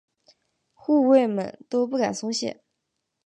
护卫们都不敢松懈。